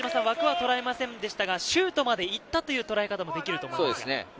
枠は捉えませんでしたが、シュートまでいったという捉え方もできると思います。